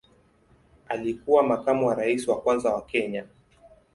Alikuwa makamu wa rais wa kwanza wa Kenya.